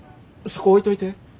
そこ置いといて。